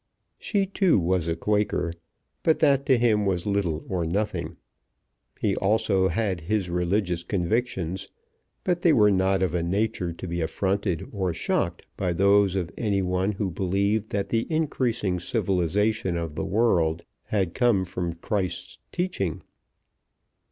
She, too, was a Quaker, but that to him was little or nothing. He also had his religious convictions, but they were not of a nature to be affronted or shocked by those of any one who believed that the increasing civilization of the world had come from Christ's teaching.